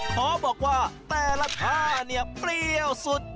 ขอบอกว่าแต่ละท่าเนี่ยเปรี้ยวสุด